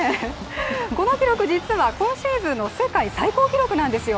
この記録、実は今シーズンの世界最高記録なんですよ。